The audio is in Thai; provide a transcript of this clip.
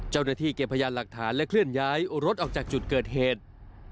เจ้าหน้าที่เก็บพยานหลักฐานและเคลื่อนย้ายรถออกจากจุดเกิดเหตุ